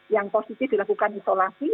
yang positif dilakukan isolasi